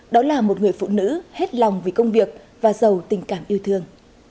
đó là một người phụ nữ hết lòng vì công việc và giàu tình cảm yêu thương